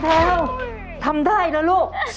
เทวทำได้นะลูก